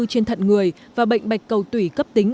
trên thận người và bệnh bạch cầu tủy cấp tính